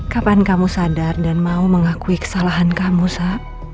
kapan kamu sadar dan mau mengakui kesalahan kamu sa